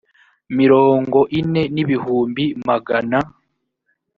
mirongo ine n ibihumbi magana